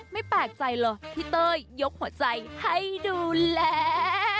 ไม่แปลกใจหรอกที่เต้ยยกหัวใจให้ดูแล